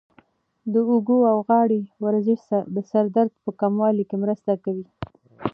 د اوږو او غاړې ورزش د سر درد په کمولو کې مرسته کوي.